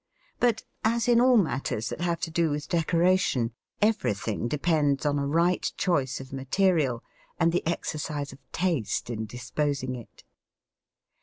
But, as in all matters that have to do with decoration, everything depends on a right choice of material and the exercise of taste in disposing it.